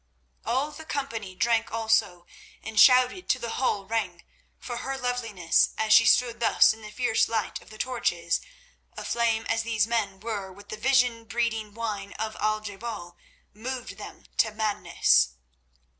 All the company drank also, and shouted till the hall rang, for her loveliness as she stood thus in the fierce light of the torches, aflame as these men were with the vision breeding wine of Al je bal, moved them to madness.